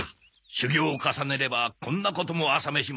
修業を重ねればこんなことも朝飯前。